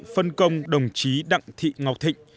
phân công đồng chí đặng thị ngọc thịnh